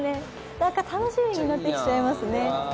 何か楽しみになってきちゃいますね。